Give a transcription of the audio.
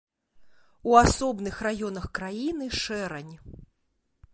У асобных раёнах краіны шэрань.